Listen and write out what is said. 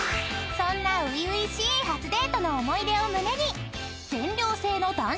［そんな初々しい初デートの思い出を胸に］